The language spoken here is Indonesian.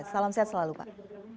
salam sehat selalu pak